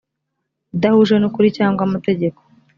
idahuje n ukuri cyangwa amategeko